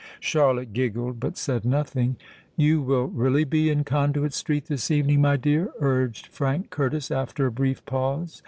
Charlotte giggled—but said nothing. "You will really be in Conduit Street this evening, my dear?" urged Frank Curtis, after a brief pause.